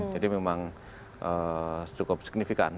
jadi memang cukup signifikan